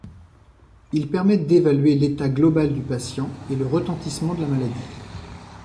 Ils permettent d'évaluer l'état global du patient, et le retentissement de la maladie.